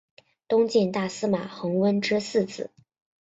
东晋大司马桓温之四子。